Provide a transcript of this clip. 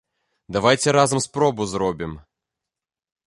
Давайце разам спробу зробім.